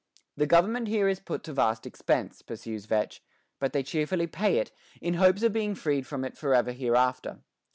"The government here is put to vast expense," pursues Vetch, "but they cheerfully pay it, in hopes of being freed from it forever hereafter.